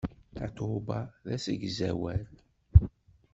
Tatoeba d asegzawal.